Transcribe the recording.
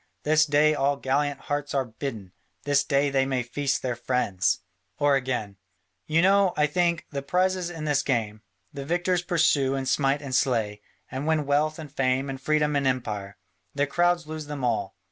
This day all gallant hearts are bidden; this day they may feast their friends." Or again, "You know, I think, the prizes in this game: the victors pursue and smite and slay, and win wealth and fame and freedom and empire: the cowards lose them all.